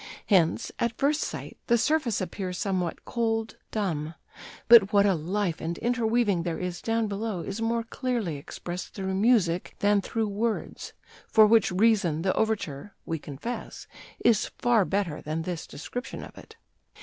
Hence, at first sight, the surface appears somewhat cold, dumb; but what a life and interweaving there is down below is more clearly expressed through music than through words, for which reason the overture (we confess) is far better than this description of it."